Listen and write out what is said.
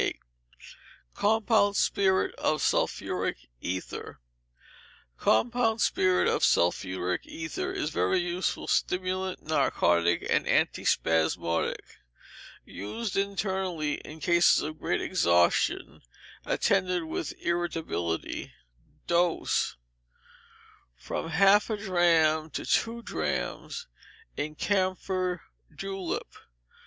Compound Spirit of Sulphuric Ether Compound Spirit of Sulphuric Ether is a very useful stimulant, narcotic, and antispasmodic. Used internally in cases of great exhaustion, attended with irritability. Dose, from half a drachm to two drachms, in camphor julep.